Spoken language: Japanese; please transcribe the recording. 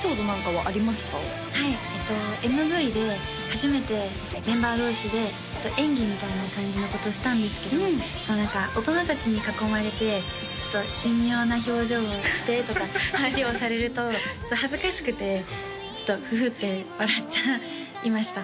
はいＭＶで初めてメンバー同士でちょっと演技みたいな感じのことをしたんですけど何か大人達に囲まれて「ちょっと神妙な表情をして」とかって話をされると恥ずかしくてちょっとフフッて笑っちゃいました